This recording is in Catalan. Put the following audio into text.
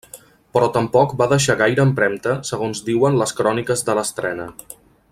Però tampoc va deixar gaire empremta segons diuen les cròniques de l'estrena.